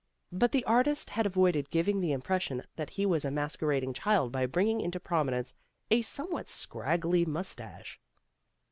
But the artist had avoided giving the impression that he was a masquerading child by bringing into prominence a somewhat scraggly mustache.